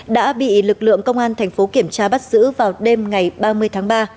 đã bị lực lượng công an thành phố kiểm tra bắt giữ vào đêm ngày ba mươi tháng ba